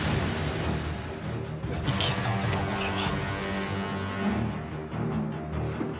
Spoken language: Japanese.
いけそうでもこれは。